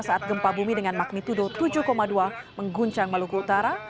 saat gempa bumi dengan magnitudo tujuh dua mengguncang maluku utara